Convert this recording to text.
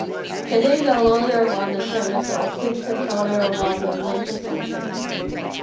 The days are longer around the summer solstice and shorter around the winter solstice.